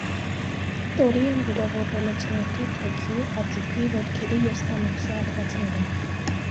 Տորրիոն վիրավորվել է ծնոտի, թոքի, աճուկի, ոտքերի և ստամոքսի հատվածներում։